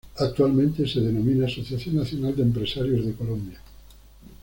Actualmente se denomina Asociación Nacional de Empresarios de Colombia.